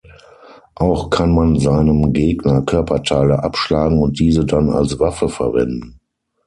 Auch kann man seinem Gegner Körperteile abschlagen und diese dann als Waffe verwenden.